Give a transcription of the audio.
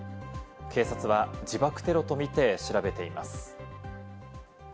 警察は自爆テロとみて調べています。